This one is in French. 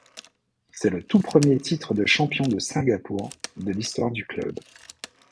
C'est le tout premier titre de champion de Singapour de l'histoire du club.